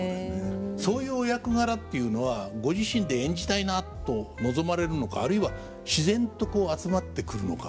そういうお役柄っていうのはご自身で演じたいなと望まれるのかあるいは自然とこう集まってくるのか。